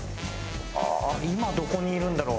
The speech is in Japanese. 今どこにいるんだろう？